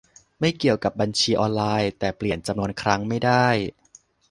ไม่เกี่ยวกับบัญชีออนไลน์ แต่เปลี่ยนจำนวนครั้งไม่ได้